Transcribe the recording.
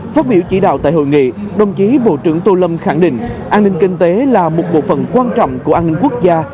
phát biểu chỉ đạo tại hội nghị đồng chí bộ trưởng tô lâm khẳng định an ninh kinh tế là một bộ phận quan trọng của an ninh quốc gia